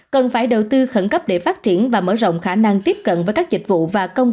cần phải đầu tư khẩn cấp để phát triển và mở rộng khả năng tiếp cận với các dịch vụ và công